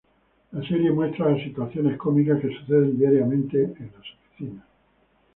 La serie muestra las situaciones cómicas que suceden diariamente en las oficinas.